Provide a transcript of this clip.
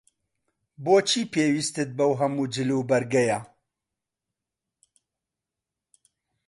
بۆچی پێویستت بەو هەموو جلوبەرگەیە؟